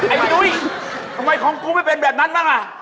ไอ้นุ้ยทำไมของกูไม่เป็นแบบนั้นบ้างอ่ะ